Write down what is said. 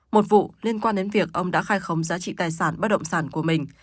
một vụ liên quan đến việc ông đã khai khống giá trị tài sản bất động sản của mình